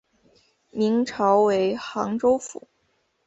明朝为杭州府。